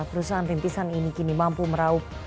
perusahaan rintisan ini kini mampu meraup